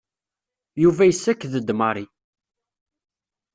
Yuba yessaked-d Mary.